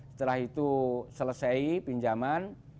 setelah itu selesai pinjaman